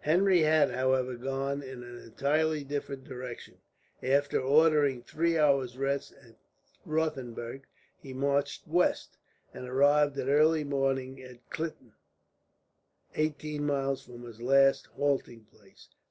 Henry had, however, gone in an entirely different direction. After ordering three hours' rest at Rothenburg he marched west, and arrived at early morning at Klitten, eighteen miles from his last halting place.